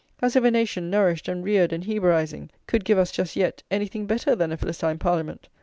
As if a nation, nourished and reared in Hebraising, could give us, just yet, anything better than a Philistine Parliament!